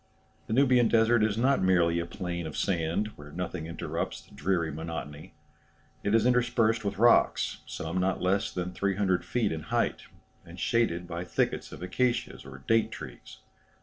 The Nubian desert is not merely a plain of sand, where nothing interrupts the dreary monotony. It is interspersed with rocks, some not less than 300 feet in height, and shaded by thickets of acacias or date trees.